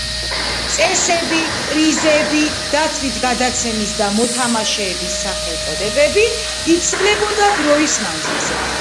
წესები, პრიზები, და თვით გადაცემის და მოთამაშეების სახელწოდებები იცვლებოდა დროის მანძილზე.